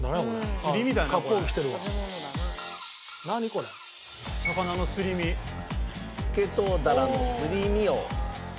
これ」「魚のすり身」「スケトウダラのすり身を」